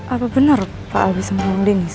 apa benar pak al bisa menemukan dennis